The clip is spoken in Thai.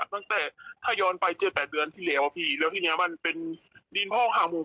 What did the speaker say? ตั้งแต่ถ้าย้อนไป๗๘เดือนที่แล้วพี่แล้วทีนี้มันเป็นดินพ่อขาหมู